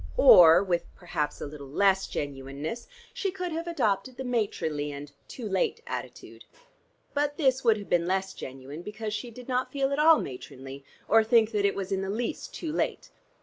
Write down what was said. Or (with perhaps a little less genuineness) she could have adopted the matronly and 'too late' attitude; but this would have been less genuine because she did not feel at all matronly, or think that it was in the least 'too late.'